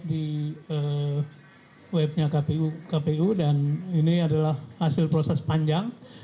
di webnya kpu dan ini adalah hasil proses panjang